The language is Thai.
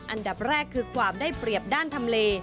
อันดับแรกคือความได้เปรียบด้านทำเล